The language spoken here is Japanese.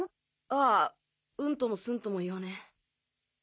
ああうんともすんともいわねえ。